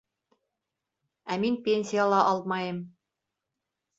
Ә мин пенсия ла алмайым.